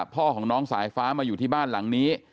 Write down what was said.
พ่อของน้องสายฟ้ามาอยู่ที่บ้านหลังนี้